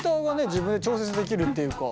自分で調節できるっていうか。